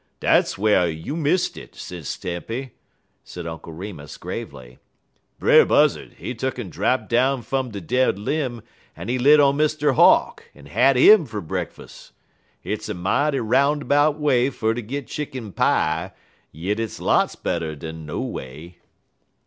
"Dar's whar you missed it, Sis Tempy," said Uncle Remus gravely. "Brer Buzzard, he tuck'n drap down fum de dead lim', en he lit on Mr. Hawk, en had 'im fer brekkus. Hit's a mighty 'roun' about way fer ter git chick'n pie, yit hit's lots better dan no way."